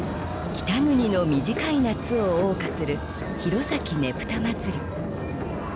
北国の短い夏を謳歌する弘前ねぷたまつり。